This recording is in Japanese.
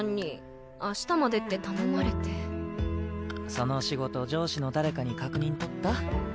その仕事上司の誰かに確認とった？